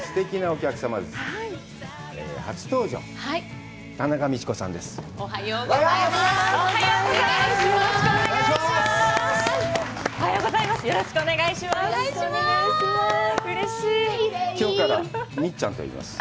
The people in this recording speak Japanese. おはようございます。